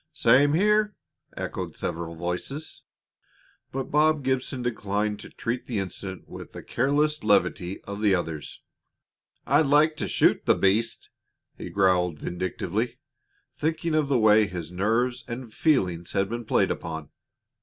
"Same here," echoed several voices. But Bob Gibson declined to treat the incident with the careless levity of the others. "I'd like to shoot the beast!" he growled vindictively, thinking of the way his nerves and feelings had been played upon.